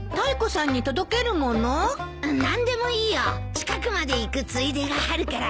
近くまで行くついでがあるから。